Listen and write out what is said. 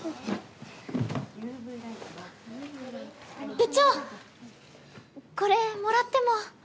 部長これもらっても？